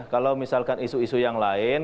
kalau misalkan isu isu yang lain